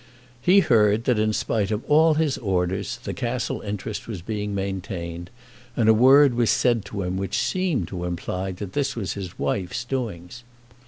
He heard that in spite of all his orders the Castle interest was being maintained, and a word was said to him which seemed to imply that this was his wife's doings.